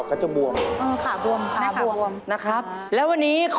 ๖๗ปีแล้วอันอันนี้